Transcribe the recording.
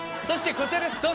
そしてこちらです